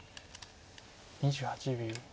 ２８秒。